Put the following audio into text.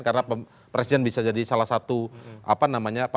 karena presiden bisa jadi salah satu apa namanya